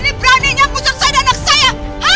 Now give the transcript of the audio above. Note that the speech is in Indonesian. ini beraninya pusing saya dan anak saya